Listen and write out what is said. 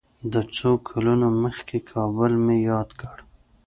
د څو کلونو مخکې کابل مې یاد کړ.